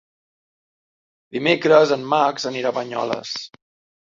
Dimecres en Max anirà a Banyoles.